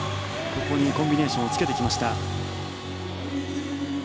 コンビネーションもつけてきました。